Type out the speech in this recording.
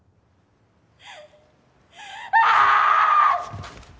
ああ！